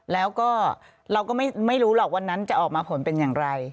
แล้วก็เราก็ไม่รู้หรอกวันนั้นจะออกมาผลเป็นอย่างไร